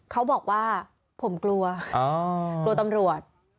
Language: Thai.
เค้าบอกว่าผมกลัวตำรวจ